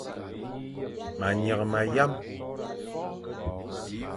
Ma nyeghe ma yam.